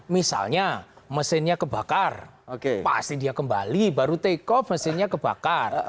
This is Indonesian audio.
misalnya mesinnya kebakar pasti dia kembali baru take off mesinnya kebakar